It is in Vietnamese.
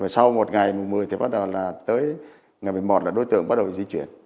sau một ngày một mươi thì bắt đầu là tới ngày một mươi một là đối tượng bắt đầu di chuyển